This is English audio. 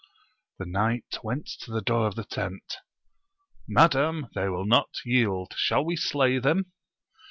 The knight went to the door of the tent — Madam, they will not yield : shall we slay them